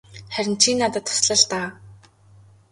Харин чи надад тусал л даа.